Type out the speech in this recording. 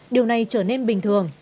điều này trở nên bình thường